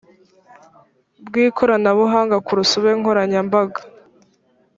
bw ikoranabuhanga ku rusobe nkoranyambaga